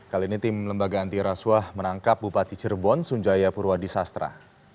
kali ini tim lembaga antirasuah menangkap bupati cirebon sunjaya purwadi sastra